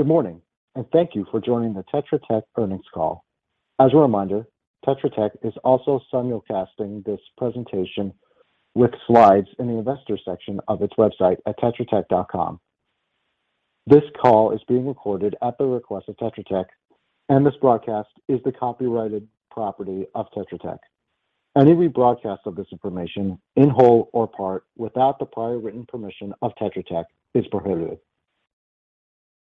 Good morning, and thank you for joining the Tetra Tech earnings call. As a reminder, Tetra Tech is also simulcasting this presentation with slides in the investor section of its website at tetratech.com. This call is being recorded at the request of Tetra Tech, and this broadcast is the copyrighted property of Tetra Tech. Any rebroadcast of this information, in whole or part, without the prior written permission of Tetra Tech is prohibited.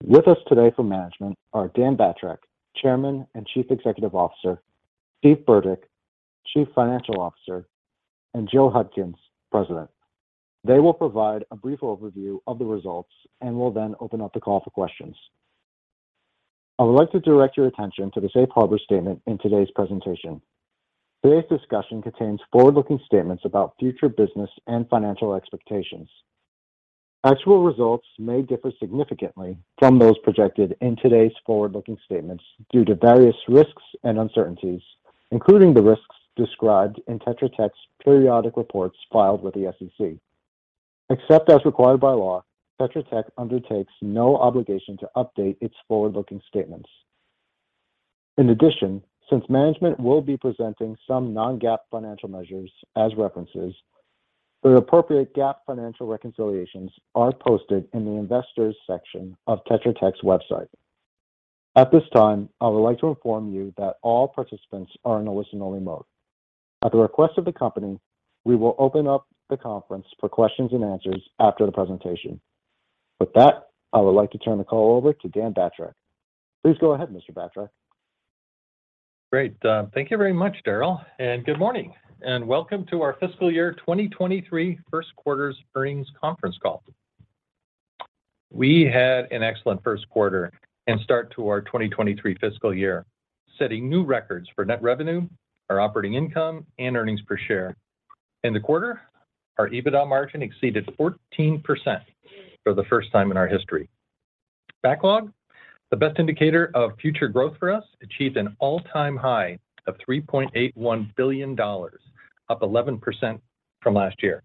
With us today from management are Dan Batrack, Chairman and Chief Executive Officer, Steve Burdick, Chief Financial Officer, and Jill Hudkins, President. They will provide a brief overview of the results and will then open up the call for questions. I would like to direct your attention to the Safe Harbor statement in today's presentation. Today's discussion contains forward-looking statements about future business and financial expectations. Actual results may differ significantly from those projected in today's forward-looking statements due to various risks and uncertainties, including the risks described in Tetra Tech's periodic reports filed with the SEC. Except as required by law, Tetra Tech undertakes no obligation to update its forward-looking statements. In addition, since management will be presenting some non-GAAP financial measures as references, the appropriate GAAP financial reconciliations are posted in the investors section of Tetra Tech's website. At this time, I would like to inform you that all participants are in a listen-only mode. At the request of the company, we will open up the conference for questions and answers after the presentation. With that, I would like to turn the call over to Dan Batrack. Please go ahead, Mr. Batrack. Great. Thank you very much, Darryl, good morning, and welcome to our fiscal year 2023 first quarter's earnings conference call. We had an excellent first quarter and start to our 2023 fiscal year, setting new records for net revenue, our operating income, and earnings per share. In the quarter, our EBITDA margin exceeded 14% for the first time in our history. Backlog, the best indicator of future growth for us, achieved an all-time high of $3.81 billion, up 11% from last year.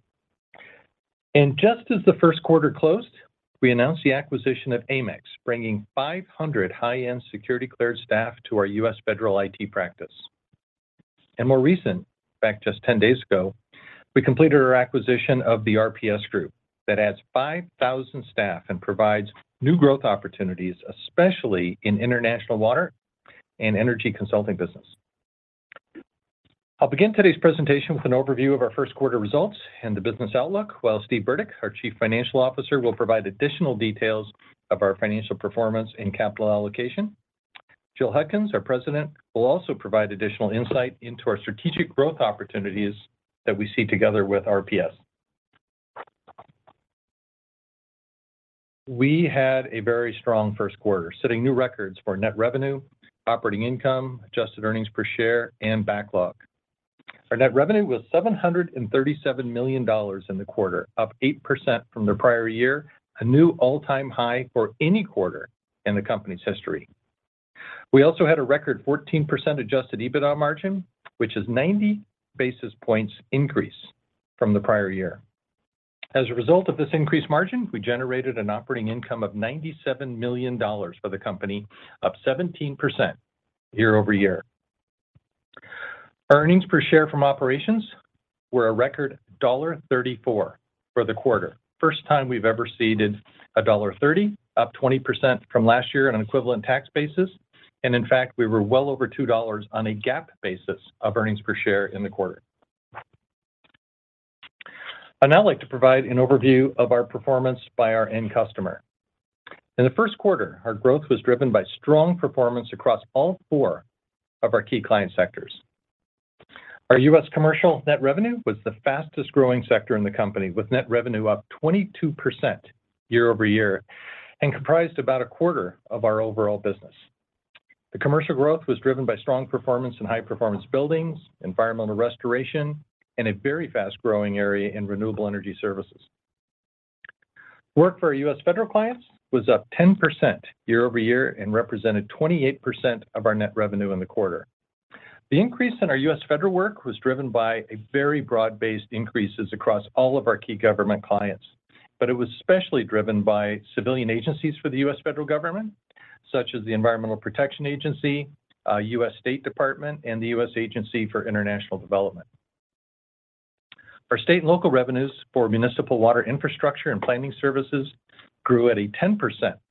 Just as the first quarter closed, we announced the acquisition of Amyx, bringing 500 high-end security cleared staff to our U.S. federal IT practice. More recent, back just 10 days ago, we completed our acquisition of the RPS Group that adds 5,000 staff and provides new growth opportunities, especially in international water and energy consulting business. I'll begin today's presentation with an overview of our first quarter results and the business outlook, while Steve Burdick, our Chief Financial Officer, will provide additional details of our financial performance and capital allocation. Jill Hudkins, our President, will also provide additional insight into our strategic growth opportunities that we see together with RPS. We had a very strong first quarter, setting new records for net revenue, operating income, adjusted earnings per share, and backlog. Our net revenue was $737 million in the quarter, up 8% from the prior year, a new all-time high for any quarter in the company's history. We also had a record 14% adjusted EBITDA margin, which is 90 basis points increase from the prior year. As a result of this increased margin, we generated an operating income of $97 million for the company, up 17% year-over-year. Earnings per share from operations were a record $1.34 for the quarter. First time we've ever exceeded $1.30, up 20% from last year on an equivalent tax basis. In fact, we were well over $2 on a GAAP basis of earnings per share in the quarter. I'd now like to provide an overview of our performance by our end customer. In the first quarter, our growth was driven by strong performance across all four of our key client sectors. Our U.S. commercial net revenue was the fastest growing sector in the company, with net revenue up 22% year-over-year and comprised about a quarter of our overall business. The commercial growth was driven by strong performance in high-performance buildings, environmental restoration, and a very fast-growing area in renewable energy services. Work for our U.S. federal clients was up 10% year-over-year and represented 28% of our net revenue in the quarter. The increase in our U.S. federal work was driven by a very broad-based increases across all of our key government clients. It was especially driven by civilian agencies for the U.S. federal government, such as the Environmental Protection Agency, U.S. State Department, and the U.S. Agency for International Development. Our state and local revenues for municipal water infrastructure and planning services grew at a 10%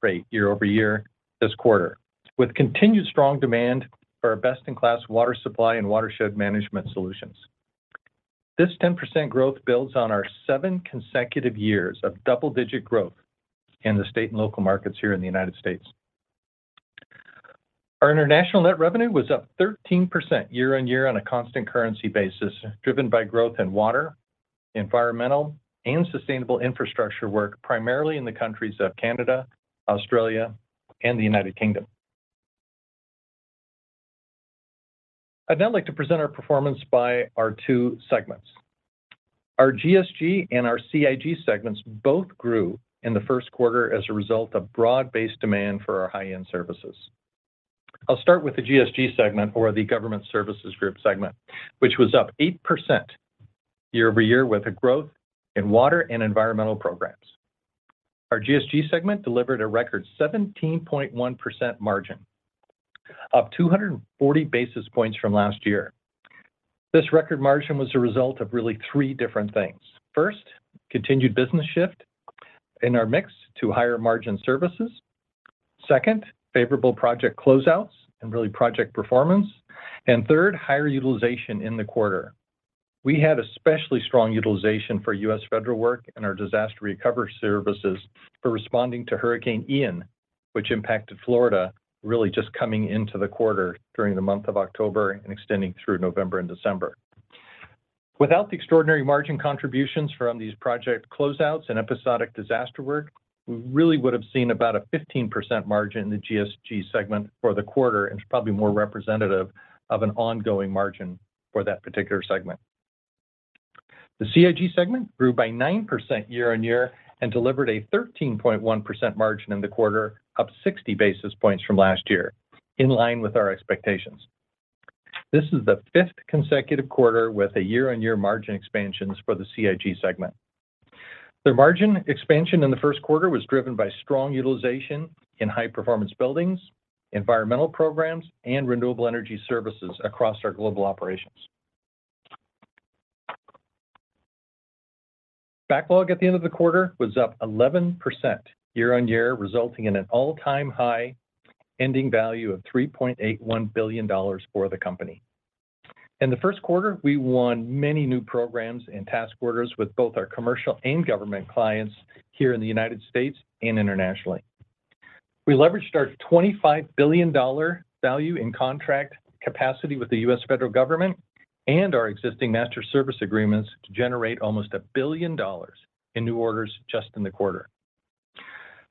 rate year-over-year this quarter, with continued strong demand for our best-in-class water supply and watershed management solutions. This 10% growth builds on our seven consecutive years of double-digit growth in the state and local markets here in the United States. Our international net revenue was up 13% year-on-year on a constant currency basis, driven by growth in water, environmental, and sustainable infrastructure work, primarily in the countries of Canada, Australia, and the United Kingdom. I'd now like to present our performance by our two segments. Our GSG and our CIG segments both grew in the first quarter as a result of broad-based demand for our high-end services. I'll start with the GSG segment or the Government Services Group segment, which was up 8% year-over-year with a growth in water and environmental programs. Our GSG segment delivered a record 17.1% margin, up 240 basis points from last year. This record margin was a result of really three different things. First, continued business shift in our mix to higher margin services. Second, favorable project closeouts and really project performance. Third, higher utilization in the quarter. We had especially strong utilization for U.S. federal work and our disaster recovery services for responding to Hurricane Ian, which impacted Florida, really just coming into the quarter during the month of October and extending through November and December. Without the extraordinary margin contributions from these project closeouts and episodic disaster work, we really would have seen about a 15% margin in the GSG segment for the quarter. It's probably more representative of an ongoing margin for that particular segment. The CIG segment grew by 9% year-on-year and delivered a 13.1% margin in the quarter, up 60 basis points from last year, in line with our expectations. This is the fifth consecutive quarter with a year-on-year margin expansions for the CIG segment. The margin expansion in the first quarter was driven by strong utilization in high performance buildings, environmental programs, and renewable energy services across our global operations. Backlog at the end of the quarter was up 11% year-on-year, resulting in an all-time high ending value of $3.81 billion for the company. In the first quarter, we won many new programs and task orders with both our commercial and government clients here in the United States and internationally. We leveraged our $25 billion value in contract capacity with the U.S. federal government and our existing master service agreements to generate almost $1 billion in new orders just in the quarter.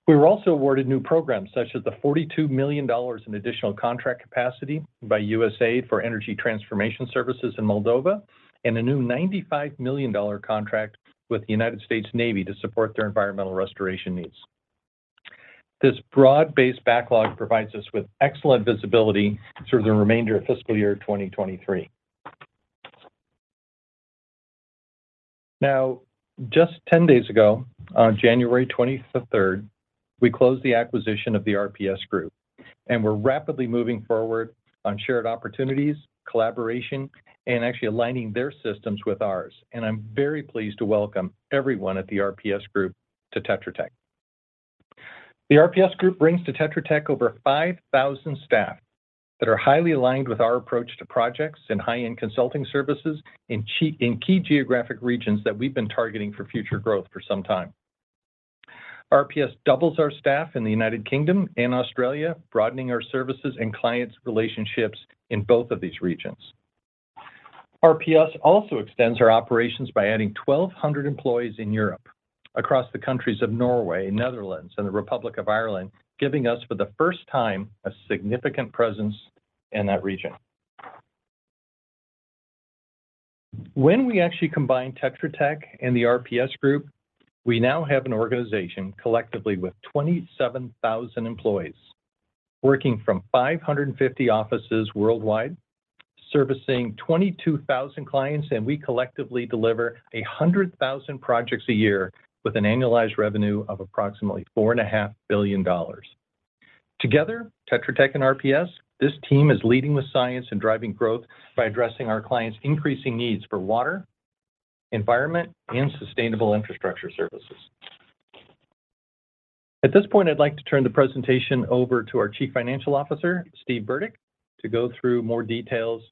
We were also awarded new programs such as the $42 million in additional contract capacity by USAID for Energy Transformation Services in Moldova and a new $95 million contract with the United States Navy to support their environmental restoration needs. This broad-based backlog provides us with excellent visibility through the remainder of fiscal year 2023. Now, just 10 days ago, on January 23rd, we closed the acquisition of the RPS Group, and we're rapidly moving forward on shared opportunities, collaboration, and actually aligning their systems with ours. I'm very pleased to welcome everyone at the RPS Group to Tetra Tech. The RPS Group brings to Tetra Tech over 5,000 staff that are highly aligned with our approach to projects and high-end consulting services in key geographic regions that we've been targeting for future growth for some time. RPS doubles our staff in the United Kingdom and Australia, broadening our services and clients relationships in both of these regions. RPS also extends our operations by adding 1,200 employees in Europe across the countries of Norway, Netherlands, and the Republic of Ireland, giving us for the first time a significant presence in that region. When we actually combine Tetra Tech and the RPS Group, we now have an organization collectively with 27,000 employees working from 550 offices worldwide, servicing 22,000 clients. We collectively deliver 100,000 projects a year with an annualized revenue of approximately four and a half billion dollars. Together, Tetra Tech and RPS, this team is leading with science and driving growth by addressing our clients' increasing needs for water, environment, and sustainable infrastructure services. At this point, I'd like to turn the presentation over to our Chief Financial Officer, Steve Burdick, to go through more details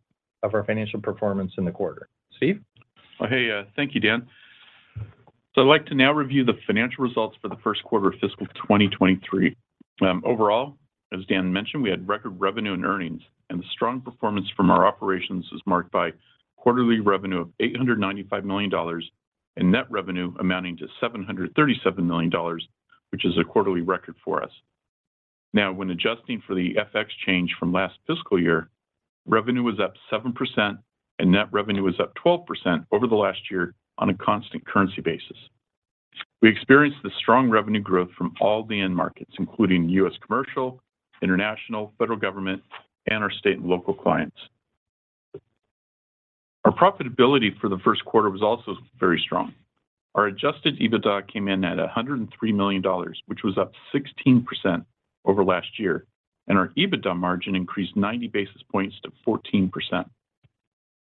of our financial performance in the quarter. Steve? Hey, thank you, Dan. I'd like to now review the financial results for the first quarter of fiscal 2023. Overall, as Dan mentioned, we had record revenue and earnings, the strong performance from our operations was marked by quarterly revenue of $895 million and net revenue amounting to $737 million, which is a quarterly record for us. When adjusting for the FX change from last fiscal year, revenue was up 7% and net revenue was up 12% over the last year on a constant currency basis. We experienced the strong revenue growth from all the end markets, including U.S. commercial, international, federal government, and our state and local clients. Our profitability for the first quarter was also very strong. Our adjusted EBITDA came in at $103 million, which was up 16% over last year. Our EBITDA margin increased 90 basis points to 14%.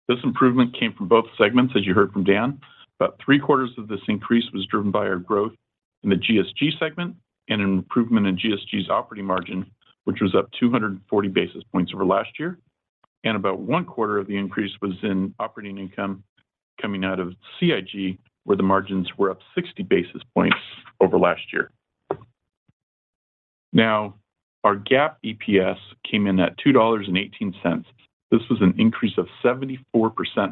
This improvement came from both segments, as you heard from Dan. About three-quarters of this increase was driven by our growth in the GSG segment and an improvement in GSG's operating margin, which was up 240 basis points over last year. About one quarter of the increase was in operating income coming out of CIG, where the margins were up 60 basis points over last year. Our GAAP EPS came in at $2.18. This was an increase of 74%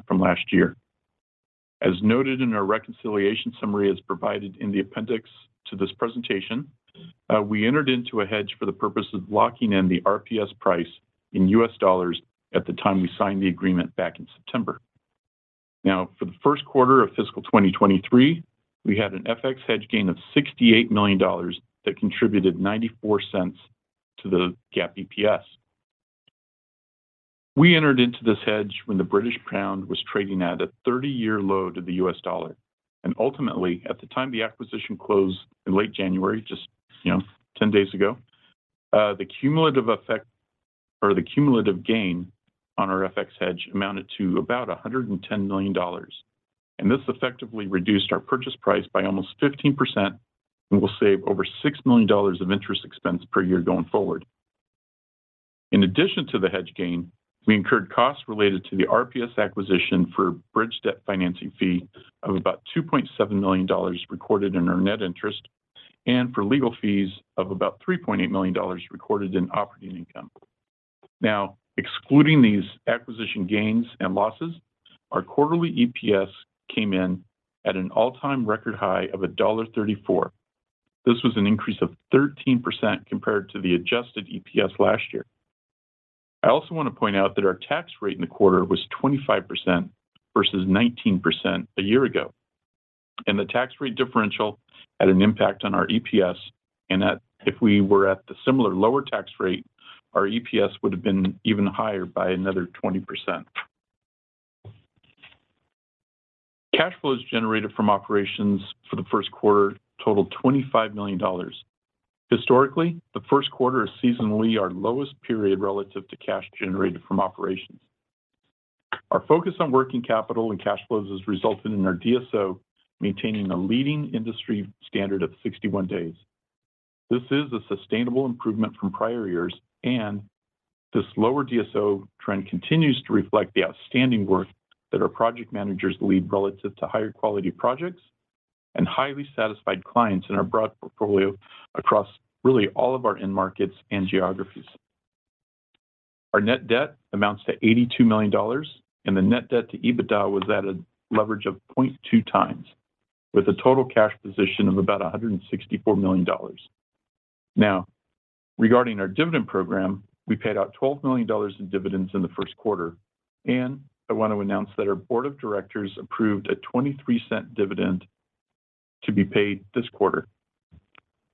from last year. As noted in our reconciliation summary as provided in the appendix to this presentation, we entered into a hedge for the purpose of locking in the RPS price in US dollars at the time we signed the agreement back in September. Now, for the first quarter of fiscal 2023, we had an FX hedge gain of $68 million that contributed $0.94 to the GAAP EPS. We entered into this hedge when the British pound was trading at a 30-year low to the U.S. dollar. Ultimately, at the time the acquisition closed in late January, just, you know, 10 days ago, the cumulative effect or the cumulative gain on our FX hedge amounted to about $110 million. This effectively reduced our purchase price by almost 15% and will save over $6 million of interest expense per year going forward. In addition to the hedge gain, we incurred costs related to the RPS acquisition for bridge debt financing fee of about $2.7 million recorded in our net interest and for legal fees of about $3.8 million recorded in operating income. Now, excluding these acquisition gains and losses, our quarterly EPS came in at an all-time record high of $1.34. This was an increase of 13% compared to the adjusted EPS last year. I also wanna point out that our tax rate in the quarter was 25% versus 19% a year ago. The tax rate differential had an impact on our EPS, and that if we were at the similar lower tax rate, our EPS would have been even higher by another 20%. Cash flows generated from operations for the first quarter totaled $25 million. Historically, the first quarter is seasonally our lowest period relative to cash generated from operations. Our focus on working capital and cash flows has resulted in our DSO maintaining a leading industry standard of 61 days. This is a sustainable improvement from prior years, and this lower DSO trend continues to reflect the outstanding work that our project managers lead relative to higher quality projects and highly satisfied clients in our broad portfolio across really all of our end markets and geographies. Our net debt amounts to $82 million, and the net debt to EBITDA was at a leverage of 0.2 times, with a total cash position of about $164 million. Regarding our dividend program, we paid out $12 million in dividends in the first quarter, I want to announce that our board of directors approved a $0.23 dividend to be paid this quarter.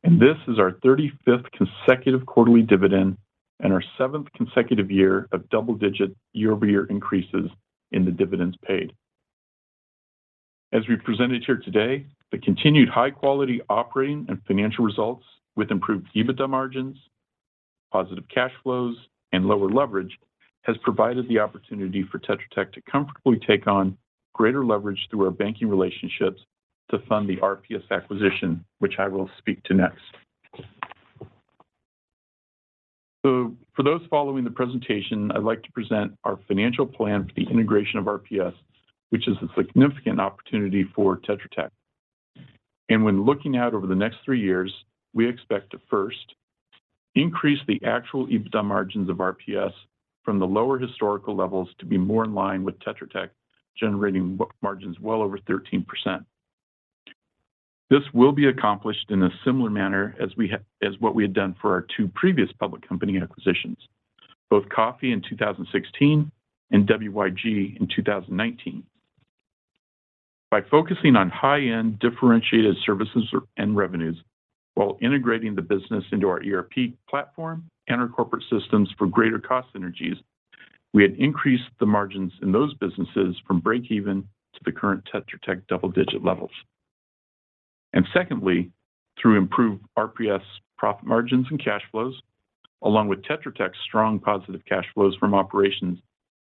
This is our 35th consecutive quarterly dividend and our seventh consecutive year of double-digit year-over-year increases in the dividends paid. As we've presented here today, the continued high quality operating and financial results with improved EBITDA margins, positive cash flows, and lower leverage has provided the opportunity for Tetra Tech to comfortably take on greater leverage through our banking relationships to fund the RPS acquisition, which I will speak to next. For those following the presentation, I'd like to present our financial plan for the integration of RPS, which is a significant opportunity for Tetra Tech. When looking out over the next three years, we expect to first increase the actual EBITDA margins of RPS from the lower historical levels to be more in line with Tetra Tech, generating margins well over 13%. This will be accomplished in a similar manner as what we had done for our two previous public company acquisitions, both Coffey in 2016 and WYG in 2019. By focusing on high-end differentiated services and revenues while integrating the business into our ERP platform and our corporate systems for greater cost synergies, we had increased the margins in those businesses from breakeven to the current Tetra Tech double-digit levels. Secondly, through improved RPS profit margins and cash flows, along with Tetra Tech's strong positive cash flows from operations,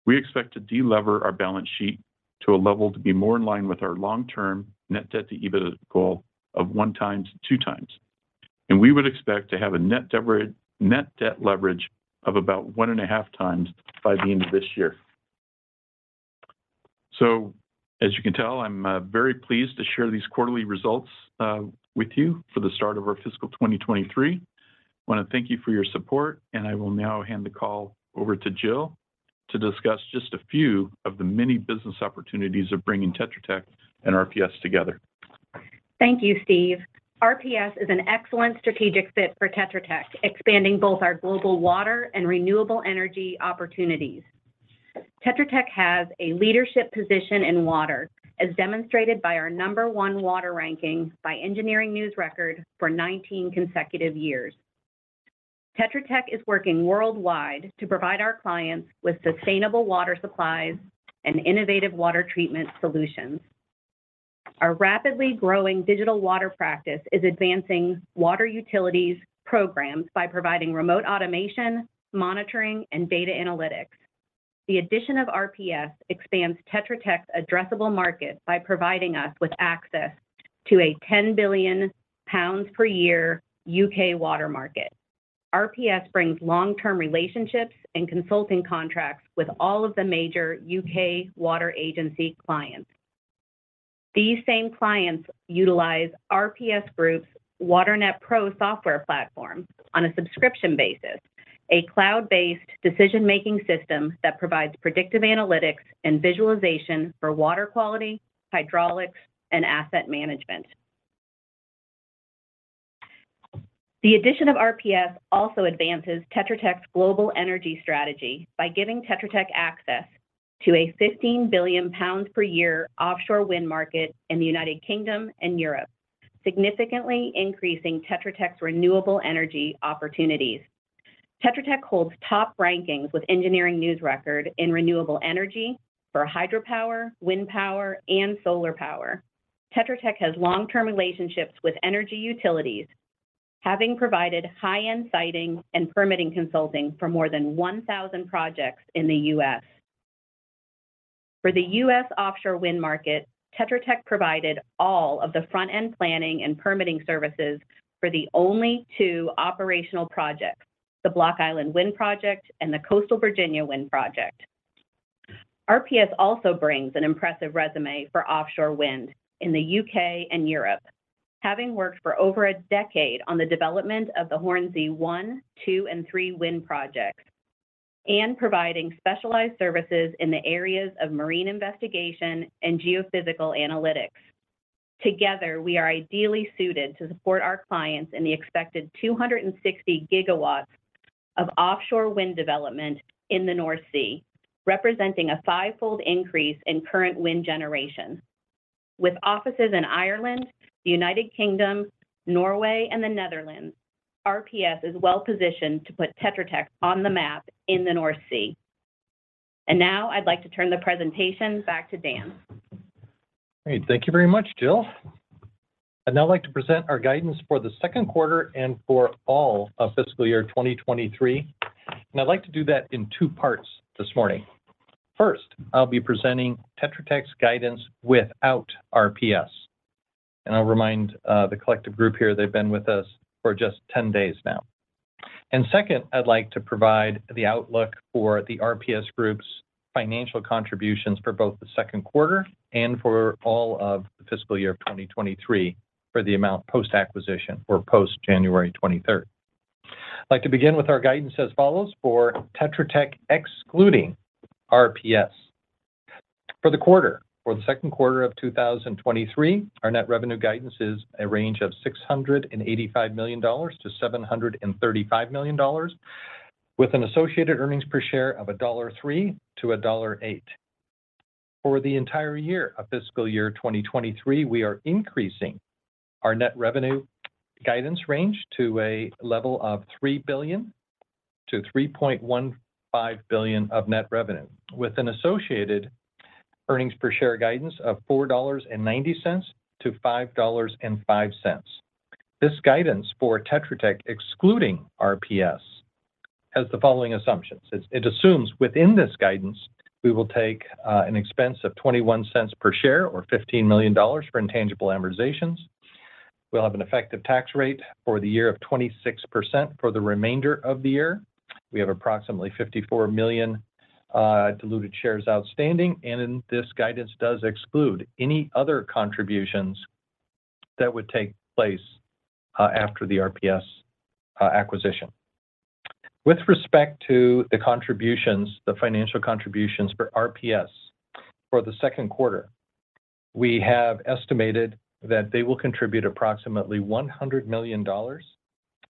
we expect to de-lever our balance sheet to a level to be more in line with our long-term net debt to EBITDA goal of one time to two times. We would expect to have a net debt leverage of about 1.5 times by the end of this year. As you can tell, I'm very pleased to share these quarterly results with you for the start of our fiscal 2023. Wanna thank you for your support, I will now hand the call over to Jill to discuss just a few of the many business opportunities of bringing Tetra Tech and RPS together. Thank you, Steve. RPS is an excellent strategic fit for Tetra Tech, expanding both our global water and renewable energy opportunities. Tetra Tech has a leadership position in water, as demonstrated by our number one water ranking by Engineering News-Record for 19 consecutive years. Tetra Tech is working worldwide to provide our clients with sustainable water supplies and innovative water treatment solutions. Our rapidly growing digital water practice is advancing water utilities programs by providing remote automation, monitoring, and data analytics. The addition of RPS expands Tetra Tech's addressable market by providing us with access to a 10 billion pounds per year U.K. water market. RPS brings long-term relationships and consulting contracts with all of the major U.K. water agency clients. These same clients utilize RPS Group's WaterNet Pro software platform on a subscription basis, a cloud-based decision-making system that provides predictive analytics and visualization for water quality, hydraulics, and asset management. The addition of RPS also advances Tetra Tech's global energy strategy by giving Tetra Tech access to a 15 billion pounds per year offshore wind market in the United Kingdom and Europe, significantly increasing Tetra Tech's renewable energy opportunities. Tetra Tech holds top rankings with Engineering News-Record in renewable energy for hydropower, wind power, and solar power. Tetra Tech has long-term relationships with energy utilities, having provided high-end siting and permitting consulting for more than 1,000 projects in the U.S. For the U.S. offshore wind market, Tetra Tech provided all of the front-end planning and permitting services for the only two operational projects, the Block Island Wind Project and the Coastal Virginia Wind Project. RPS also brings an impressive resume for offshore wind in the U.K. and Europe. Having worked for over a decade on the development of the Hornsea One, Two, and Three wind projects and providing specialized services in the areas of marine investigation and geophysical analytics. Together, we are ideally suited to support our clients in the expected 260 gigawatts of offshore wind development in the North Sea, representing a five-fold increase in current wind generation. With offices in Ireland, the United Kingdom, Norway, and the Netherlands, RPS is well-positioned to put Tetra Tech on the map in the North Sea. Now I'd like to turn the presentation back to Dan. Great. Thank you very much, Jill. I'd now like to present our guidance for the second quarter and for all of fiscal year 2023, and I'd like to do that in two parts this morning. First, I'll be presenting Tetra Tech's guidance without RPS. I'll remind the collective group here they've been with us for just 10 days now. Second, I'd like to provide the outlook for the RPS group's financial contributions for both the second quarter and for all of the fiscal year of 2023 for the amount post-acquisition or post-January 23rd. I'd like to begin with our guidance as follows for Tetra Tech excluding RPS. For the second quarter of 2023, our net revenue guidance is a range of $685 million-$735 million with an associated earnings per share of $1.03-$1.08. For the entire year of fiscal year 2023, we are increasing our net revenue guidance range to a level of $3 billion-$3.15 billion of net revenue with an associated earnings per share guidance of $4.90-$5.05. This guidance for Tetra Tech excluding RPS has the following assumptions. It assumes within this guidance, we will take an expense of $0.21 per share or $15 million for intangible amortizations. We'll have an effective tax rate for the year of 26% for the remainder of the year. We have approximately 54 million diluted shares outstanding. This guidance does exclude any other contributions that would take place after the RPS acquisition. With respect to the contributions, the financial contributions for RPS for the second quarter, we have estimated that they will contribute approximately $100 million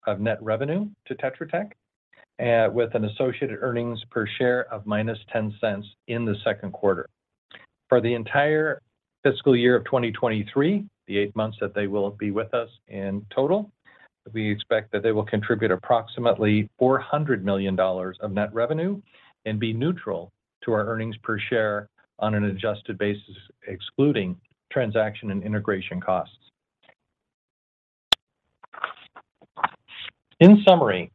of net revenue to Tetra Tech with an associated earnings per share of -$0.10 in the second quarter. For the entire fiscal year of 2023, the 8 months that they will be with us in total, we expect that they will contribute approximately $400 million of net revenue and be neutral to our earnings per share on an adjusted basis, excluding transaction and integration costs. In summary,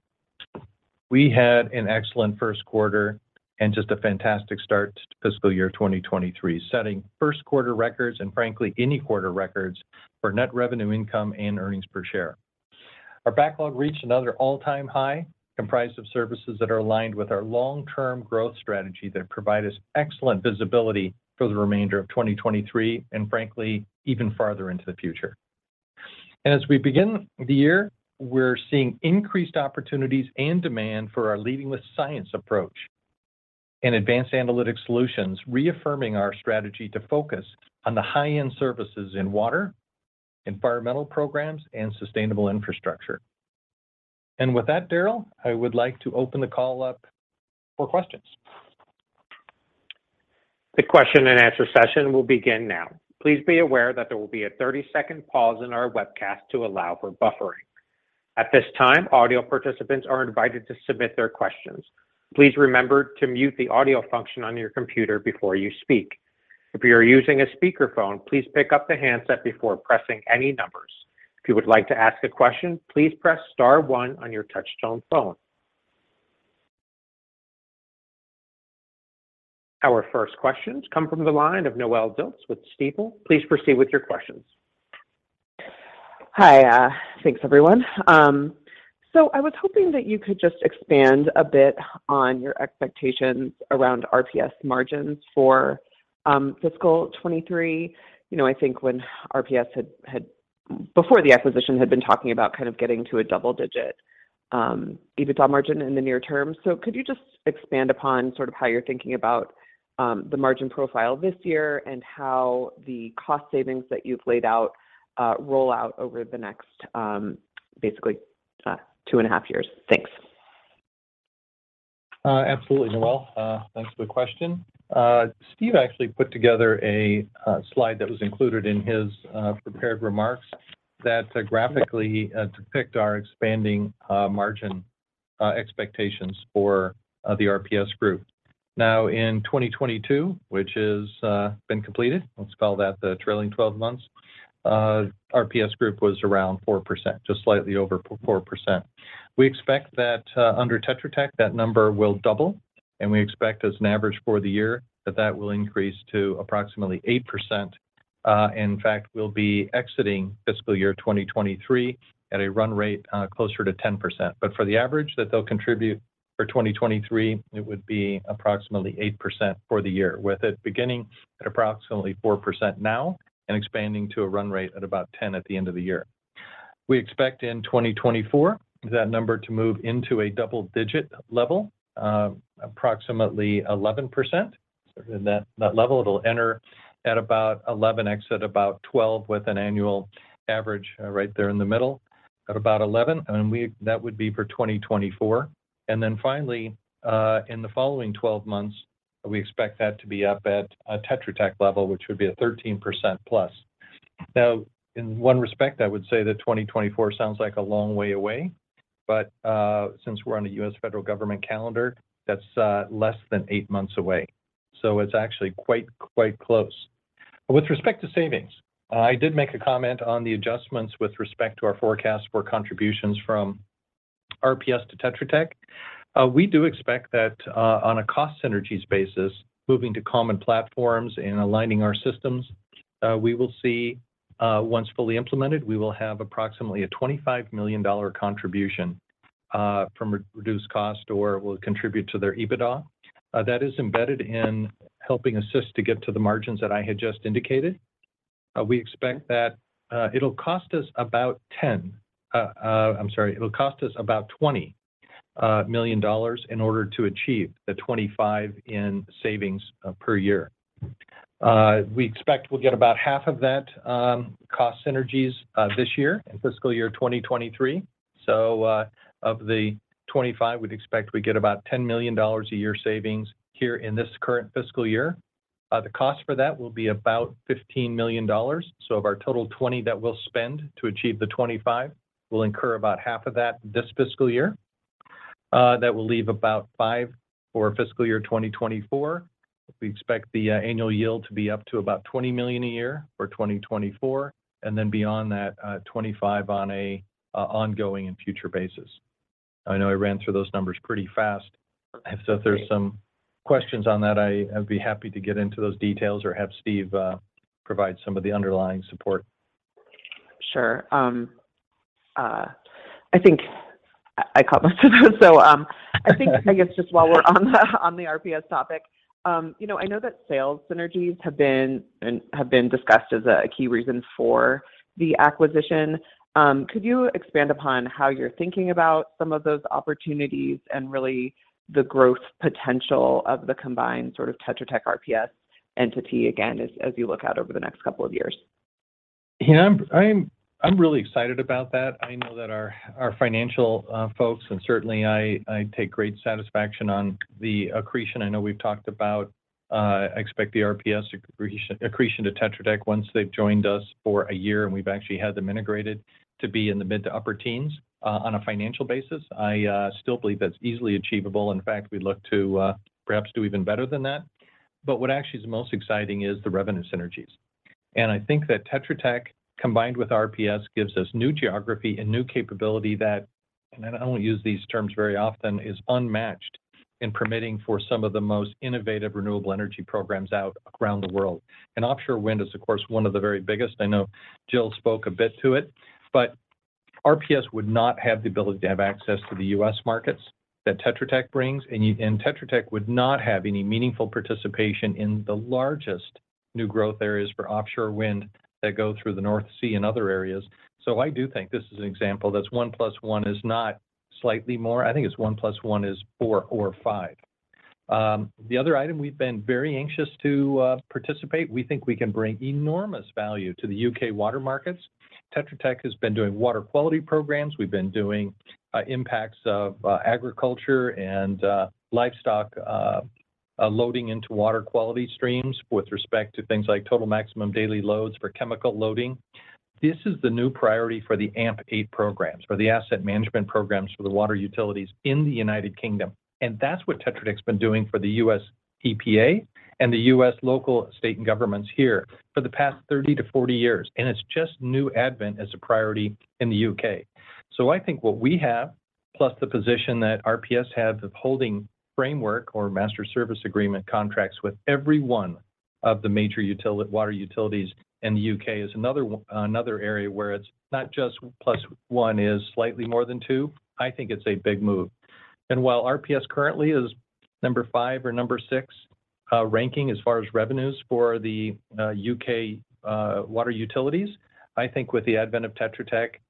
we had an excellent first quarter and just a fantastic start to fiscal year 2023, setting first quarter records and frankly, any quarter records for net revenue income and earnings per share. Our backlog reached another all-time high, comprised of services that are aligned with our long-term growth strategy that provide us excellent visibility for the remainder of 2023 and frankly, even farther into the future. As we begin the year, we're seeing increased opportunities and demand for our leading with science approach and advanced analytic solutions, reaffirming our strategy to focus on the high-end services in water, environmental programs, and sustainable infrastructure. With that, Darryl, I would like to open the call up for questions. The question and answer session will begin now. Please be aware that there will be a 30-second pause in our webcast to allow for buffering. At this time, audio participants are invited to submit their questions. Please remember to mute the audio function on your computer before you speak. If you are using a speakerphone, please pick up the handset before pressing any numbers. If you would like to ask a question, please press star 1 on your touchtone phone. Our first questions come from the line of Noelle Dilts with Stifel. Please proceed with your questions. Hi. Thanks, everyone. I was hoping that you could just expand a bit on your expectations around RPS margins for fiscal 23. You know, I think when RPS had before the acquisition, had been talking about kind of getting to a double digit EBITDA margin in the near term. Could you just expand upon sort of how you're thinking about the margin profile this year and how the cost savings that you've laid out roll out over the next basically two and a half years? Thanks. Absolutely, Noelle. Thanks for the question. Steve actually put together a slide that was included in his prepared remarks that graphically depict our expanding margin expectations for the RPS Group. Now in 2022, which is been completed, let's call that the trailing 12 months, RPS Group was around 4%, just slightly over 4%. We expect that under Tetra Tech, that number will double, and we expect as an average for the year that that will increase to approximately 8%. In fact, we'll be exiting fiscal year 2023 at a run rate closer to 10%. For the average that they'll contribute for 2023, it would be approximately 8% for the year, with it beginning at approximately 4% now and expanding to a run rate at about 10 at the end of the year. We expect in 2024 that number to move into a double digit level, approximately 11%. In that level, it'll enter at about 11, exit about 12, with an annual average right there in the middle at about 11. That would be for 2024. Finally, in the following 12 months, we expect that to be up at a Tetra Tech level, which would be a 13%+. In one respect, I would say that 2024 sounds like a long way away, since we're on a U.S. federal government calendar, that's less than 8 months away. It's actually quite close. With respect to savings, I did make a comment on the adjustments with respect to our forecast for contributions from RPS to Tetra Tech. We do expect that on a cost synergies basis, moving to common platforms and aligning our systems, we will see, once fully implemented, we will have approximately a $25 million contribution from reduced cost or will contribute to their EBITDA. That is embedded in helping assist to get to the margins that I had just indicated. We expect that it'll cost us about. I'm sorry. It'll cost us about $20 million in order to achieve the $25 in savings per year. We expect we'll get about half of that cost synergies this year in fiscal year 2023. Of the $25, we'd expect we get about $10 million a year savings here in this current fiscal year. The cost for that will be about $15 million. Of our total $20 that we'll spend to achieve the $25, we'll incur about half of that this fiscal year. That will leave about $5 for fiscal year 2024. We expect the annual yield to be up to about $20 million a year for 2024, beyond that, $25 on an ongoing and future basis. I know I ran through those numbers pretty fast. If there's some questions on that, I'd be happy to get into those details or have Steve provide some of the underlying support. Sure. I think I caught most of those. I guess just while we're on the RPS topic, you know, I know that sales synergies have been discussed as a key reason for the acquisition. Could you expand upon how you're thinking about some of those opportunities and really the growth potential of the combined sort of Tetra Tech RPS entity again as you look out over the next couple of years? I'm really excited about that. I know that our financial folks, and certainly I take great satisfaction on the accretion. I know we've talked about expect the RPS accretion to Tetra Tech once they've joined us for a year, and we've actually had them integrated to be in the mid to upper teens on a financial basis. I still believe that's easily achievable. In fact, we look to perhaps do even better than that. What actually is most exciting is the revenue synergies. I think that Tetra Tech, combined with RPS, gives us new geography and new capability that, and I don't use these terms very often, is unmatched in permitting for some of the most innovative renewable energy programs out around the world. Offshore wind is of course one of the very biggest. I know Jill spoke a bit to it, but RPS would not have the ability to have access to the U.S. markets that Tetra Tech brings, and Tetra Tech would not have any meaningful participation in the largest new growth areas for offshore wind that go through the North Sea and other areas. I do think this is an example that's one plus one is not slightly more. I think it's one plus one is four or five. The other item we've been very anxious to participate, we think we can bring enormous value to the U.K. water markets. Tetra Tech has been doing water quality programs. We've been doing impacts of agriculture and livestock loading into water quality streams with respect to things like Total Maximum Daily Loads for chemical loading. This is the new priority for the AMP8 programs or the asset management programs for the water utilities in the United Kingdom, and that's what Tetra Tech's been doing for the U.S. EPA and the U.S. local state and governments here for the past 30-40 years, and it's just new advent as a priority in the U.K. I think what we have, plus the position that RPS has of holding framework or master service agreement contracts with every one of the major water utilities in the U.K is another area where it's not just +1 is slightly more than two. I think it's a big move. While RPS currently is number five or number six, ranking as far as revenues for the U.K. water utilities, I think with the advent of Tetra Tech,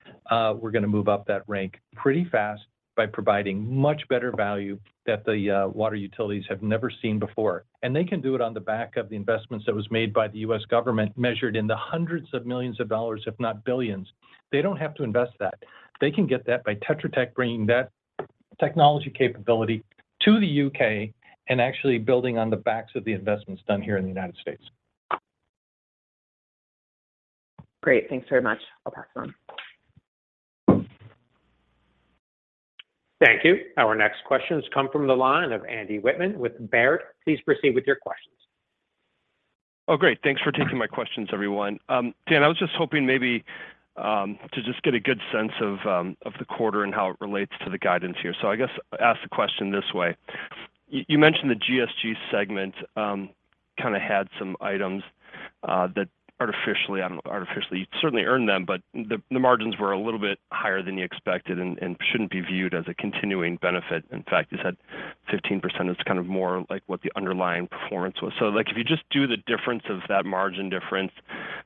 we're gonna move up that rank pretty fast by providing much better value that the water utilities have never seen before. They can do it on the back of the investments that was made by the U.S. government, measured in the hundreds of millions of dollars, if not billions. They don't have to invest that. They can get that by Tetra Tech bringing that technology capability to the U.K. and actually building on the backs of the investments done here in the United States. Great. Thanks very much. I'll pass it on. Thank you. Our next questions come from the line of Andrew Wittmann with Baird. Please proceed with your questions. Great. Thanks for taking my questions, everyone. Dan, I was just hoping maybe to just get a good sense of the quarter and how it relates to the guidance here. I guess ask the question this way. You mentioned the GSG segment, kinda had some items that artificially... I don't know artificially. You certainly earned them, but the margins were a little bit higher than you expected and shouldn't be viewed as a continuing benefit. In fact, you said 15% is kind of more like what the underlying performance was. If you just do the difference of that margin difference,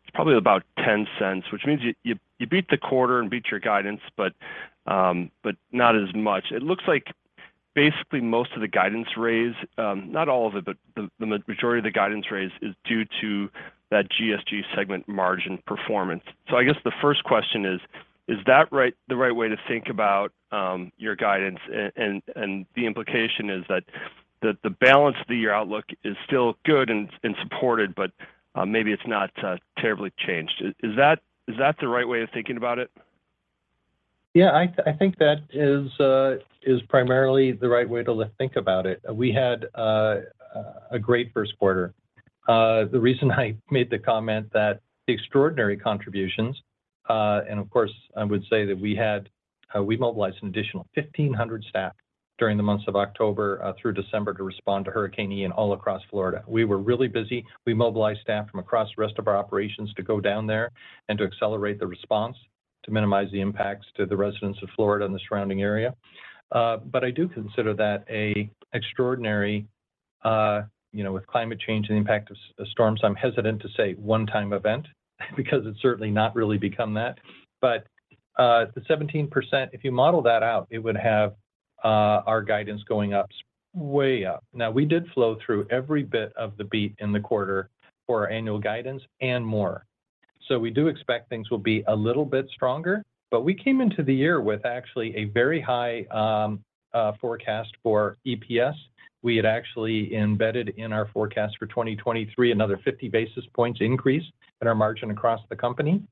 it's probably about $0.10, which means you beat the quarter and beat your guidance, but not as much. It looks like basically most of the guidance raise, not all of it, but the majority of the guidance raise is due to that GSG segment margin performance. I guess the first question is that the right way to think about your guidance? The implication is that the balance to your outlook is still good and supported, maybe it's not terribly changed. Is that the right way of thinking about it? Yeah, I think that is primarily the right way to think about it. We had a great first quarter. The reason I made the comment that the extraordinary contributions, and of course, I would say that we had, we mobilized an additional 1,500 staff during the months of October through December to respond to Hurricane Ian all across Florida. We were really busy. We mobilized staff from across the rest of our operations to go down there and to accelerate the response to minimize the impacts to the residents of Florida and the surrounding area. But I do consider that a extraordinary, you know, with climate change and the impact of storms, I'm hesitant to say one-time event because it's certainly not really become that. The 17%, if you model that out, it would have our guidance going up, way up. We did flow through every bit of the beat in the quarter for our annual guidance and more. We do expect things will be a little bit stronger. We came into the year with actually a very high forecast for EPS. We had actually embedded in our forecast for 2023 another 50 basis points increase in our margin across the company.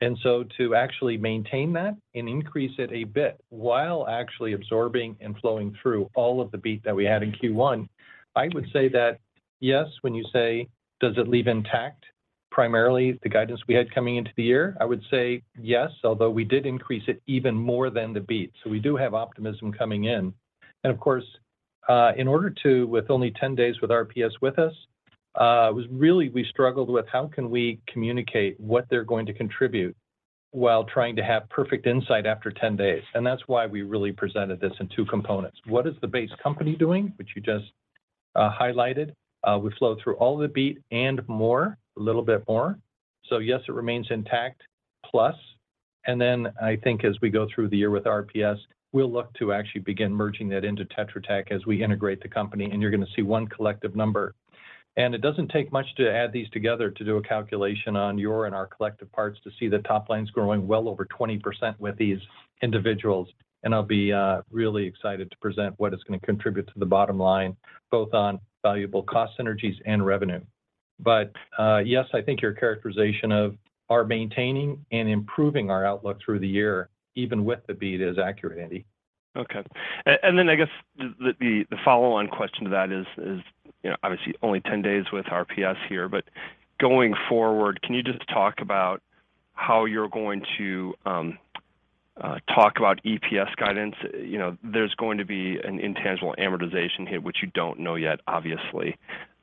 To actually maintain that and increase it a bit while actually absorbing and flowing through all of the beat that we had in Q1, I would say that, yes, when you say, "Does it leave intact primarily the guidance we had coming into the year?" I would say yes, although we did increase it even more than the beat. We do have optimism coming in. Of course, with only 10 days with RPS with us, was really we struggled with how can we communicate what they're going to contribute while trying to have perfect insight after 10 days. That's why we really presented this in two components. What is the base company doing, which you just highlighted. We flow through all the beat and more, a little bit more. Yes, it remains intact, plus. I think as we go through the year with RPS, we'll look to actually begin merging that into Tetra Tech as we integrate the company, and you're gonna see 1 collective number. It doesn't take much to add these together to do a calculation on your and our collective parts to see the top line's growing well over 20% with these individuals. I'll be really excited to present what is gonna contribute to the bottom line, both on valuable cost synergies and revenue. Yes, I think your characterization of our maintaining and improving our outlook through the year, even with the beat, is accurate, Andy. Okay. I guess the follow-on question to that is, you know, obviously only 10 days with RPS here, but going forward, can you just talk about how you're going to talk about EPS guidance? You know, there's going to be an intangible amortization hit, which you don't know yet, obviously.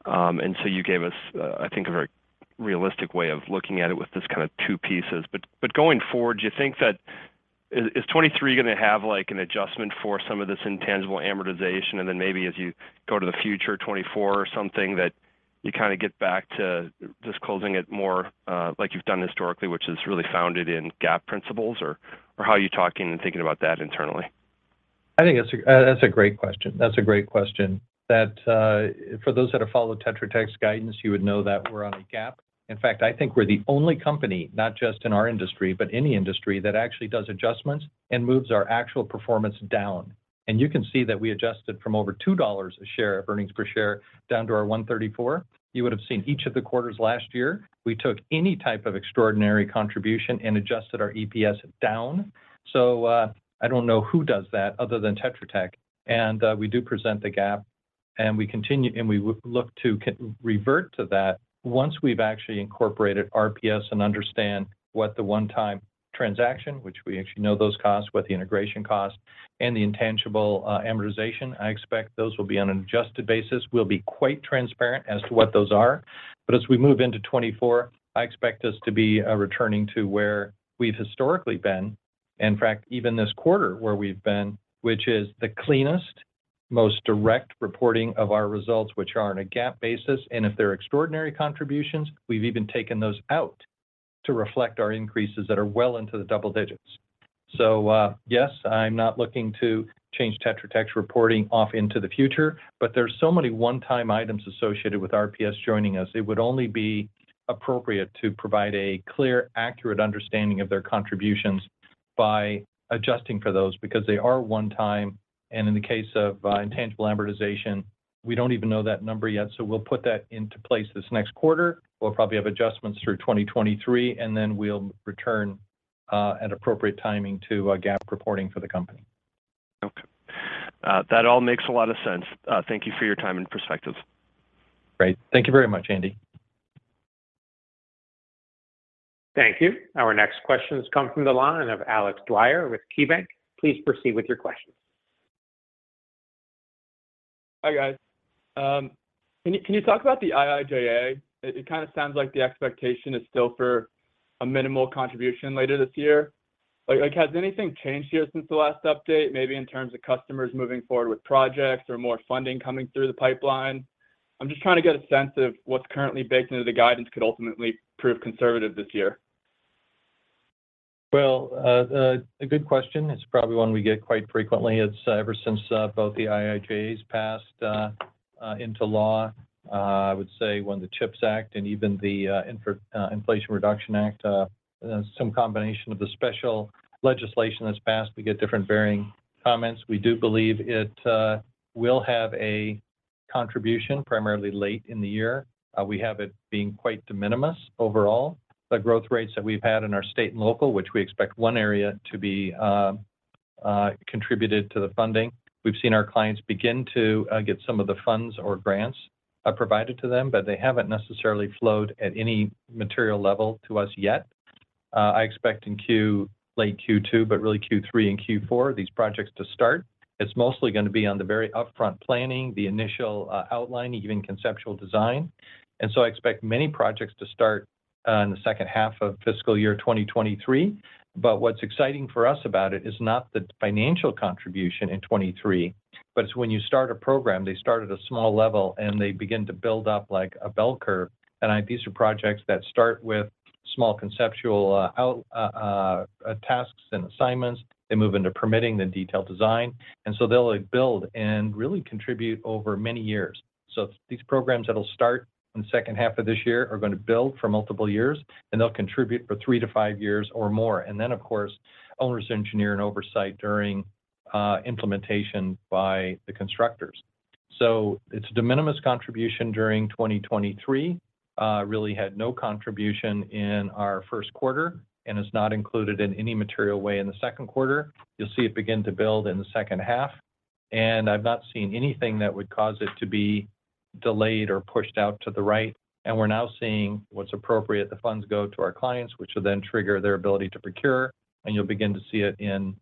You gave us, I think a very realistic way of looking at it with this kind of two pieces. Going forward, do you think that, is 2023 gonna have, like, an adjustment for some of this intangible amortization, and then maybe as you go to the future 2024 or something that you kinda get back to just closing it more, like you've done historically, which is really founded in GAAP principles, or how are you talking and thinking about that internally? I think that's a great question. That's a great question. For those that have followed Tetra Tech's guidance, you would know that we're on a GAAP. In fact, I think we're the only company, not just in our industry, but any industry, that actually does adjustments and moves our actual performance down. You can see that we adjusted from over $2 a share of earnings per share down to our $1.34. You would have seen each of the quarters last year. We took any type of extraordinary contribution and adjusted our EPS down. I don't know who does that other than Tetra Tech. We do present the GAAP, and we continue and we look to revert to that once we've actually incorporated RPS and understand what the one-time transaction, which we actually know those costs, what the integration cost and the intangible amortization. I expect those will be on an adjusted basis. We'll be quite transparent as to what those are. As we move into 2024, I expect us to be returning to where we've historically been. In fact, even this quarter where we've been, which is the cleanest, most direct reporting of our results, which are on a GAAP basis. If they're extraordinary contributions, we've even taken those out to reflect our increases that are well into the double digits. Yes, I'm not looking to change Tetra Tech's reporting off into the future, but there's so many one-time items associated with RPS joining us. It would only be appropriate to provide a clear, accurate understanding of their contributions by adjusting for those because they are one-time. In the case of intangible amortization, we don't even know that number yet, so we'll put that into place this next quarter. We'll probably have adjustments through 2023, and then we'll return at appropriate timing to GAAP reporting for the company. Okay. That all makes a lot of sense. Thank you for your time and perspective. Great. Thank you very much, Andy. Thank you. Our next question comes from the line of Alex Dwyer with KeyBank. Please proceed with your question. Hi, guys. can you talk about the IIJA? It kinda sounds like the expectation is still for a minimal contribution later this year. Like, has anything changed here since the last update, maybe in terms of customers moving forward with projects or more funding coming through the pipeline? I'm just trying to get a sense of what's currently baked into the guidance could ultimately prove conservative this year. A good question. It's ever since both the IIJAs passed into law, I would say when the CHIPS Act and even the Inflation Reduction Act, some combination of the special legislation that's passed, we get different varying comments. We do believe it will have a contribution primarily late in the year. We have it being quite de minimis overall. The growth rates that we've had in our state and local, which we expect one area to be contributed to the funding. We've seen our clients begin to get some of the funds or grants provided to them, but they haven't necessarily flowed at any material level to us yet. I expect in late Q2, but really Q3 and Q4, these projects to start. It's mostly gonna be on the very upfront planning, the initial outline, even conceptual design. I expect many projects to start in the second half of fiscal year 2023. What's exciting for us about it is not the financial contribution in 23, but it's when you start a program, they start at a small level, and they begin to build up like a bell curve. These are projects that start with small conceptual tasks and assignments. They move into permitting the detailed design. They'll, like, build and really contribute over many years. These programs that'll start in the second half of this year are gonna build for multiple years, and they'll contribute for 3-5 years or more. Of course, owners engineer and oversight during implementation by the constructors. It's de minimis contribution during 2023, really had no contribution in our first quarter and is not included in any material way in the second quarter. You'll see it begin to build in the second half, and I've not seen anything that would cause it to be delayed or pushed out to the right. We're now seeing what's appropriate. The funds go to our clients, which will then trigger their ability to procure, and you'll begin to see it in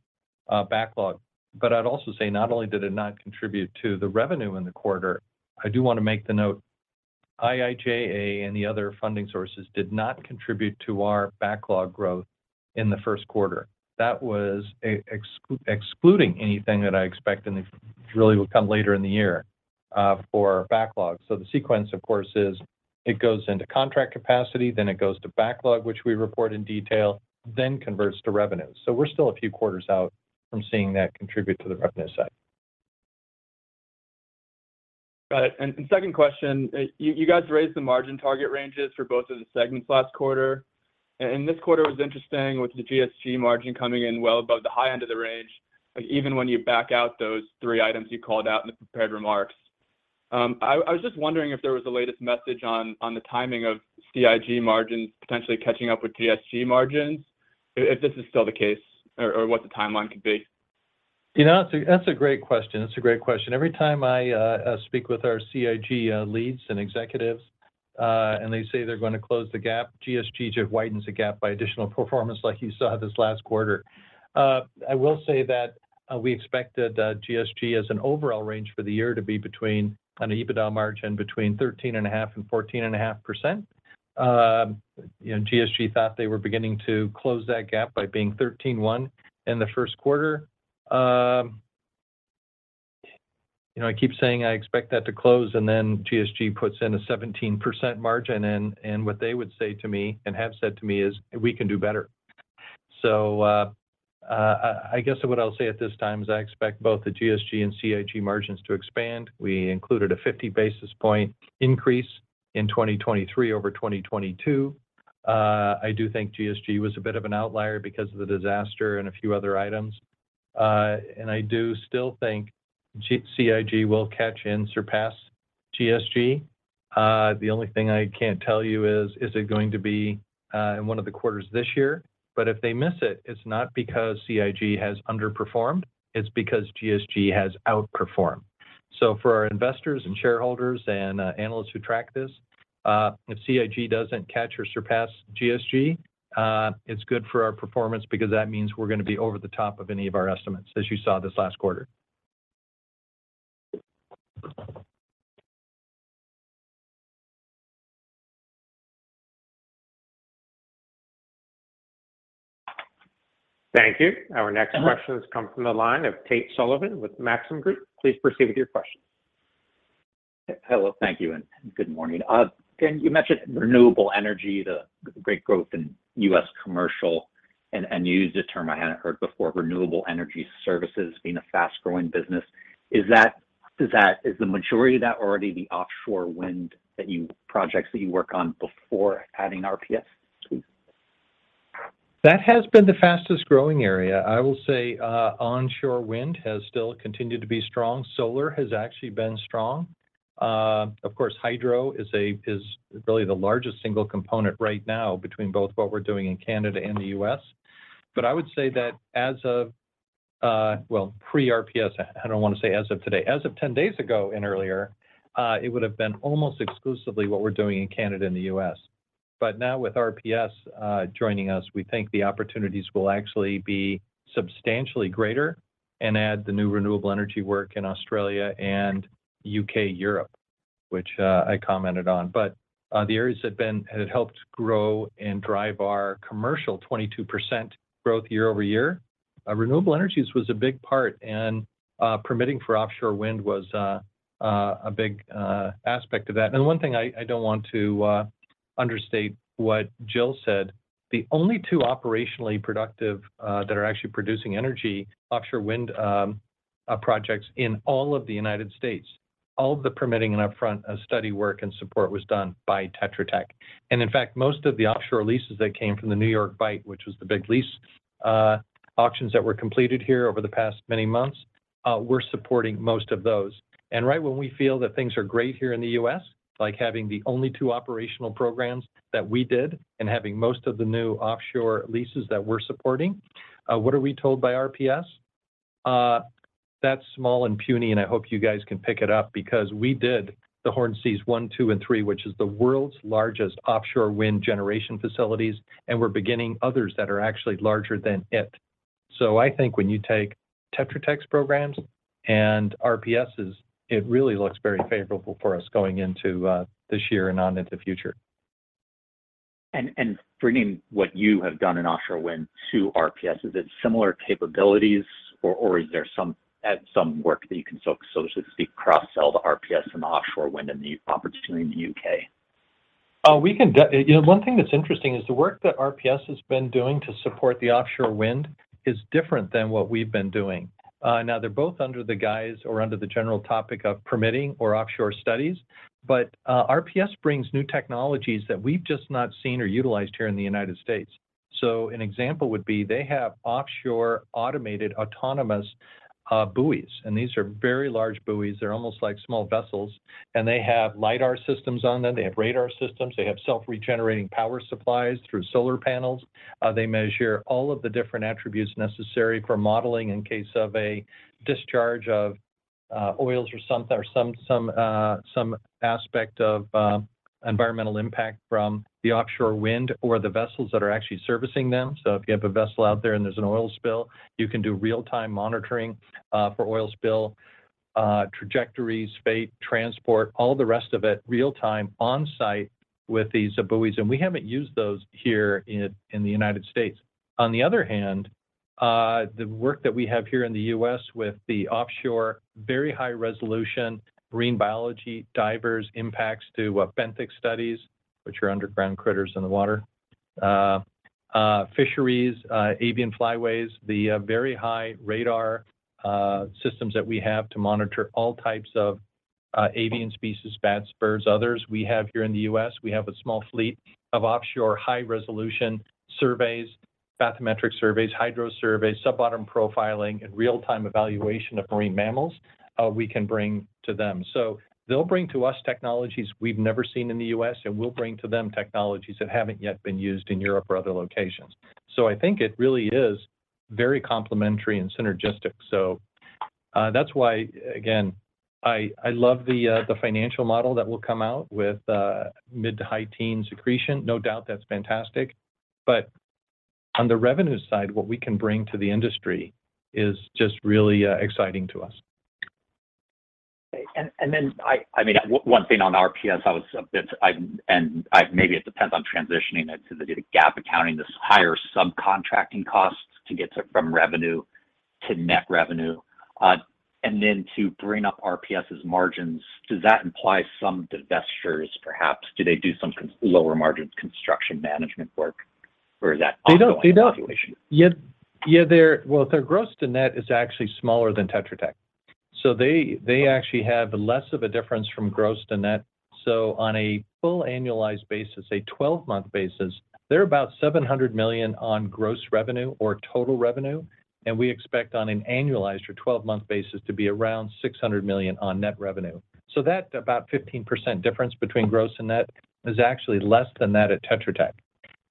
backlog. I'd also say not only did it not contribute to the revenue in the quarter, I do wanna make the note IIJA and the other funding sources did not contribute to our backlog growth in the first quarter. That was excluding anything that I expect and it really will come later in the year for backlog. The sequence, of course, is it goes into contract capacity, then it goes to backlog, which we report in detail, then converts to revenue. We're still a few quarters out from seeing that contribute to the revenue side. Got it. Second question, you guys raised the margin target ranges for both of the segments last quarter. This quarter was interesting with the GSG margin coming in well above the high end of the range, like, even when you back out those three items you called out in the prepared remarks. I was just wondering if there was the latest message on the timing of CIG margins potentially catching up with GSG margins, if this is still the case or what the timeline could be. You know, that's a, that's a great question. It's a great question. Every time I speak with our CIG leads and executives, and they say they're gonna close the gap, GSG just widens the gap by additional performance like you saw this last quarter. I will say that we expected GSG as an overall range for the year to be between an EBITDA margin between 13.5% and 14.5%. You know, GSG thought they were beginning to close that gap by being 13.1% in the first quarter. You know, I keep saying I expect that to close, and then GSG puts in a 17% margin. What they would say to me and have said to me is, "We can do better." I guess what I'll say at this time is I expect both the GSG and CIG margins to expand. We included a 50 basis point increase in 2023 over 2022. I do think GSG was a bit of an outlier because of the disaster and a few other items. I do still think CIG will catch and surpass GSG. The only thing I can't tell you is it going to be in one of the quarters this year? If they miss it's not because CIG has underperformed, it's because GSG has outperformed. For our investors and shareholders and analysts who track this, if CIG doesn't catch or surpass GSG, it's good for our performance because that means we're gonna be over the top of any of our estimates, as you saw this last quarter. Thank you. Our next question has come from the line of Tate Sullivan with Maxim Group. Please proceed with your question. Hello. Thank you, good morning. Dan, you mentioned renewable energy, the great growth in U.S. commercial, and you used a term I hadn't heard before, renewable energy services being a fast-growing business. Is that, is the majority of that already the offshore wind that you projects that you work on before adding RPS to? That has been the fastest-growing area. I will say, onshore wind has still continued to be strong. Solar has actually been strong. Of course, hydro is really the largest single component right now between both what we're doing in Canada and the U.S. I would say that as of, well, pre-RPS, I don't want to say as of today. As of 10 days ago and earlier, it would have been almost exclusively what we're doing in Canada and the U.S. Now with RPS, joining us, we think the opportunities will actually be substantially greater and add the new renewable energy work in Australia and U.K., Europe, which, I commented on. The areas that have helped grow and drive our commercial 22% growth year-over-year, renewable energies was a big part, and permitting for offshore wind was a big aspect to that. One thing I don't want to understate what Jill said, the only two operationally productive that are actually producing energy offshore wind projects in all of the United States, all of the permitting and upfront study work and support was done by Tetra Tech. In fact, most of the offshore leases that came from the New York Bight, which was the big lease auctions that were completed here over the past many months, we're supporting most of those. Right when we feel that things are great here in the U.S., like having the only two operational programs that we did and having most of the new offshore leases that we're supporting, what are we told by RPS? That's small and puny, and I hope you guys can pick it up because we did the Hornsea Project One, Two, and Three, which is the world's largest offshore wind generation facilities, and we're beginning others that are actually larger than it. I think when you take Tetra Tech's programs and RPS's, it really looks very favorable for us going into this year and on into future. Bringing what you have done in offshore wind to RPS, is it similar capabilities or is there some work that you can, so to speak, cross-sell to RPS in the offshore wind and the opportunity in the U.K? You know, one thing that's interesting is the work that RPS has been doing to support the offshore wind is different than what we've been doing. Now they're both under the guise or under the general topic of permitting or offshore studies, but RPS brings new technologies that we've just not seen or utilized here in the United States. An example would be they have offshore automated autonomous buoys, and these are very large buoys. They're almost like small vessels, and they have lidar systems on them. They have radar systems. They have self-regenerating power supplies through solar panels. They measure all of the different attributes necessary for modeling in case of a discharge of oils or some aspect of environmental impact from the offshore wind or the vessels that are actually servicing them. If you have a vessel out there and there's an oil spill, you can do real-time monitoring for oil spill trajectories, fate, transport, all the rest of it, real-time on-site with these buoys. We haven't used those here in the United States. On the other hand, the work that we have here in the U.S. with the offshore, very high resolution marine biology divers impacts to benthic studies, which are underground critters in the water, fisheries, avian flyways, the very high radar systems that we have to monitor all types of avian species, bats, birds, others. We have here in the U.S., we have a small fleet of offshore high-resolution surveys, bathymetric surveys, hydro surveys, sub-bottom profiling, and real-time evaluation of marine mammals, we can bring to them. So they'll bring to us technologies we've never seen in the U.S., and we'll bring to them technologies that haven't yet been used in Europe or other locations. I think it really is very complementary and synergistic. That's why, again, I love the financial model that will come out with mid to high teen accretion. No doubt that's fantastic. On the revenue side, what we can bring to the industry is just really exciting to us. Then, I mean, one thing on RPS, I was a bit-- and, maybe it depends on transitioning it to the GAAP accounting, this higher subcontracting costs to get to-- from revenue to net revenue, and then to bring up RPS's margins. Does that imply some divestitures, perhaps? Do they do some lower margins construction management work? Or is that also an evaluation? They don't. Yeah, well, their gross to net is actually smaller than Tetra Tech. They actually have less of a difference from gross to net. On a full annualized basis, a 12-month basis, they're about $700 million on gross revenue or total revenue, and we expect on an annualized or 12-month basis to be around $600 million on net revenue. That about 15% difference between gross and net is actually less than that at Tetra Tech.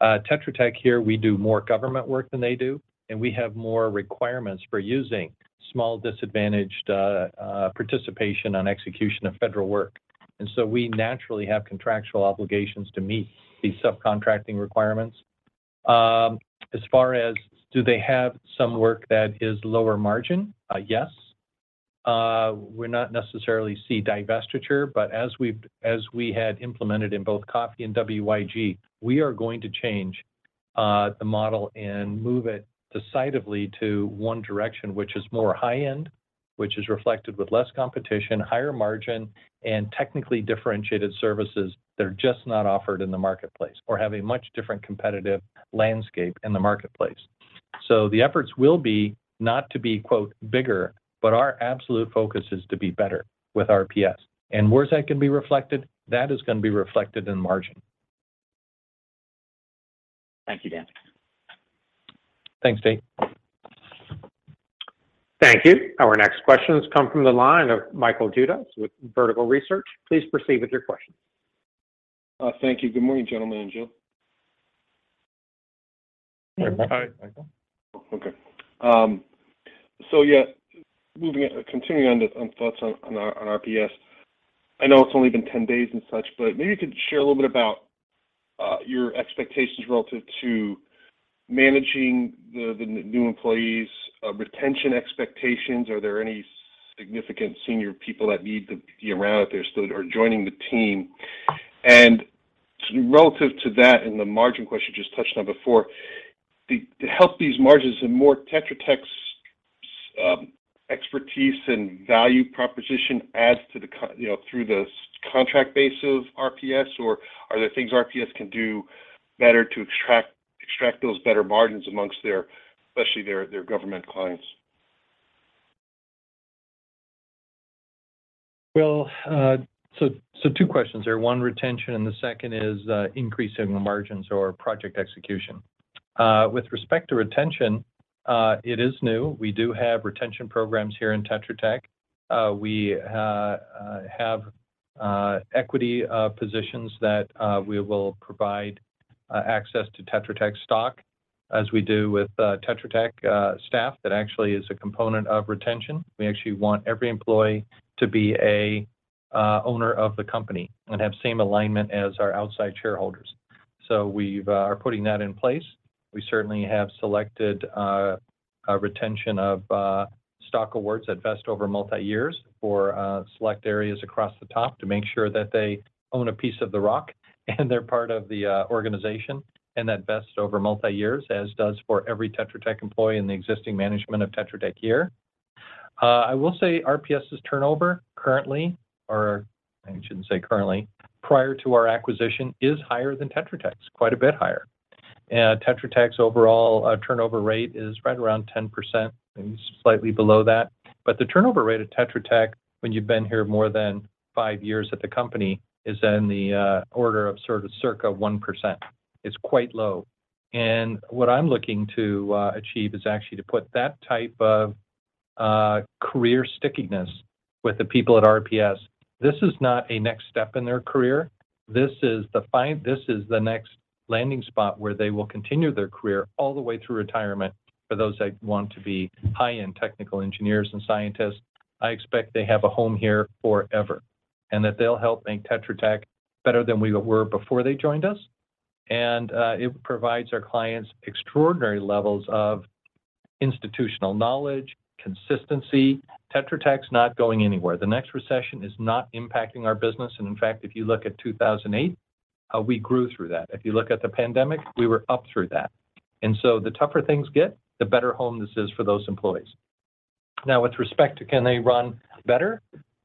Tetra Tech here, we do more government work than they do, and we have more requirements for using small disadvantaged participation on execution of federal work. We naturally have contractual obligations to meet these subcontracting requirements. As far as, do they have some work that is lower margin? Yes. We're not necessarily see divestiture, but as we had implemented in both Coffey and WYG, we are going to change the model and move it decisively to one direction, which is more high-end, which is reflected with less competition, higher margin, and technically differentiated services that are just not offered in the marketplace or have a much different competitive landscape in the marketplace. The efforts will be not to be, quote, "bigger," but our absolute focus is to be better with RPS. Where that can be reflected, that is gonna be reflected in margin. Thank you, Dan. Thanks, Dave. Thank you. Our next question has come from the line of Michael Dudas with Vertical Research. Please proceed with your question. Thank you. Good morning, gentlemen and Jill. Hi, Michael. Okay. Moving, continuing on thoughts on RPS. I know it's only been 10 days and such, but maybe you could share a little bit about your expectations relative to managing the new employees, retention expectations. Are there any significant senior people that need to be around if they're still or joining the team? Relative to that and the margin question you just touched on before, to help these margins and more Tetra Tech's expertise and value proposition adds to the, you know, through the contract base of RPS, or are there things RPS can do better to extract those better margins amongst their, especially their government clients? Well, so two questions there. One, retention, and the second is increasing the margins or project execution. With respect to retention, it is new. We do have retention programs here in Tetra Tech. We have equity positions that we will provide access to Tetra Tech stock as we do with Tetra Tech staff. That actually is a component of retention. We actually want every employee to be a owner of the company and have same alignment as our outside shareholders. We've are putting that in place. We certainly have selected, a retention of, stock awards at best over multi-years for, select areas across the top to make sure that they own a piece of the rock, and they're part of the, organization and that vest over multi-years, as does for every Tetra Tech employee in the existing management of Tetra Tech here. I will say RPS's turnover currently, or I shouldn't say currently, prior to our acquisition, is higher than Tetra Tech's, quite a bit higher. Tetra Tech's overall, turnover rate is right around 10% and slightly below that. The turnover rate at Tetra Tech when you've been here more than five years at the company is in the order of sort of circa 1%. It's quite low. What I'm looking to achieve is actually to put that type of career stickiness with the people at RPS. This is not a next step in their career. This is the next landing spot where they will continue their career all the way through retirement for those that want to be high-end technical engineers and scientists, I expect they have a home here forever, and that they'll help make Tetra Tech better than we were before they joined us. It provides our clients extraordinary levels of institutional knowledge, consistency. Tetra Tech's not going anywhere. The next recession is not impacting our business. In fact, if you look at 2008, we grew through that. If you look at the pandemic, we were up through that. The tougher things get, the better home this is for those employees. Now with respect to can they run better,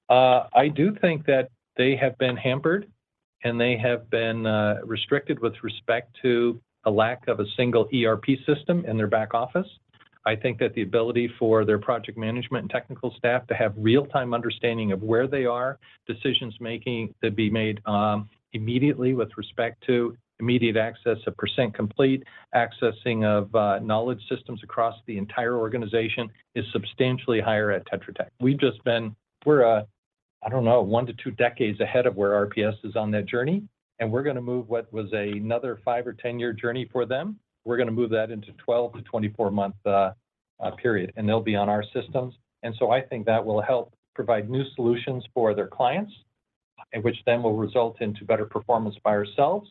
I do think that they have been hampered, and they have been restricted with respect to a lack of a single ERP system in their back office. I think that the ability for their project management and technical staff to have real-time understanding of where they are, decisions-making to be made immediately with respect to immediate access of percent complete, accessing of knowledge systems across the entire organization is substantially higher at Tetra Tech. We've just been, we're I don't know, 1-2 decades ahead of where RPS is on that journey, and we're gonna move what was another five or 10-year journey for them. We're gonna move that into 12-24 month period, and they'll be on our systems. I think that will help provide new solutions for their clients, and which then will result into better performance by ourselves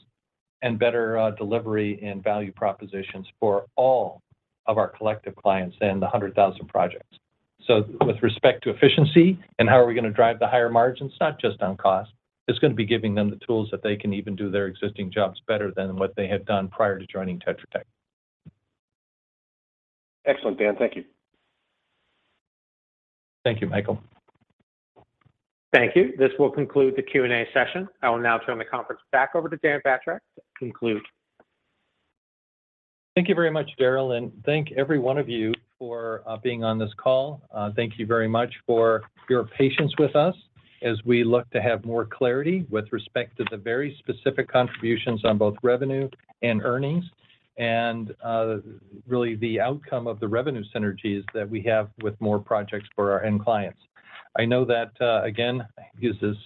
and better delivery and value propositions for all of our collective clients and the 100,000 projects. With respect to efficiency and how are we gonna drive the higher margins, not just on cost, it's gonna be giving them the tools that they can even do their existing jobs better than what they had done prior to joining Tetra Tech. Excellent, Dan. Thank you. Thank you, Michael. Thank you. This will conclude the Q&A session. I will now turn the conference back over to Dan Batrack to conclude. Thank you very much, Darryl, and thank every one of you for being on this call. Thank you very much for your patience with us as we look to have more clarity with respect to the very specific contributions on both revenue and earnings and really the outcome of the revenue synergies that we have with more projects for our end clients. I know that again, I've used this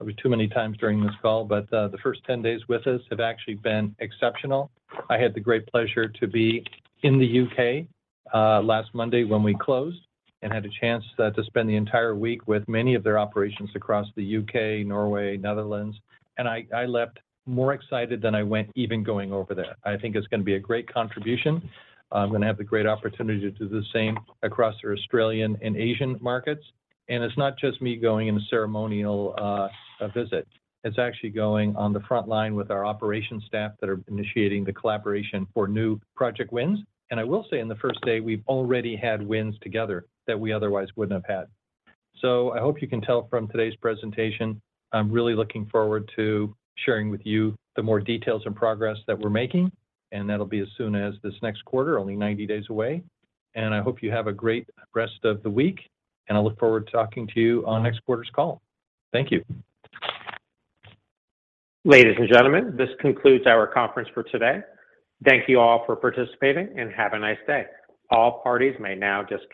maybe too many times during this call, but the first 10 days with us have actually been exceptional. I had the great pleasure to be in the U.K. last Monday when we closed and had a chance to spend the entire week with many of their operations across the UK, Norway, Netherlands, and I left more excited than I went even going over there. I think it's gonna be a great contribution. I'm gonna have the great opportunity to do the same across their Australian and Asian markets. It's not just me going in a ceremonial visit. It's actually going on the front line with our operations staff that are initiating the collaboration for new project wins. I will say in the first day, we've already had wins together that we otherwise wouldn't have had. I hope you can tell from today's presentation, I'm really looking forward to sharing with you the more details and progress that we're making, and that'll be as soon as this next quarter, only 90 days away. I hope you have a great rest of the week, and I look forward to talking to you on next quarter's call. Thank you. Ladies and gentlemen, this concludes our conference for today. Thank you all for participating, and have a nice day. All parties may now disconnect.